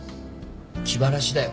気晴らしだよ。